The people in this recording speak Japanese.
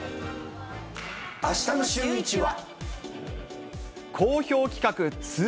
あしたのシューイチは。